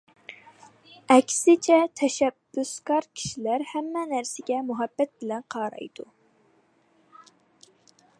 ئەكسىچە تەشەببۇسكار كىشىلەر ھەممە نەرسىگە مۇھەببەت بىلەن قارايدۇ.